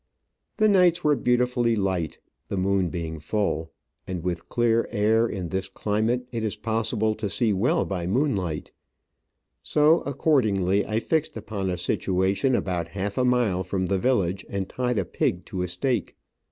The nights were beautifully light, the moon being full, and with clear air in this climate it is possible to see well by moonlight; so, accord ingly, I fixed upon a situation about half a mile from the village, and tied a pig to a stake.